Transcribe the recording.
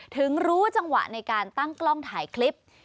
ถึงรู้จังหวะในการตั้งกล้องถ่ายคลิป